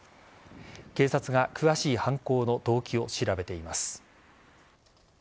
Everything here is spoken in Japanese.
警察が詳しい犯行の動機を調べています。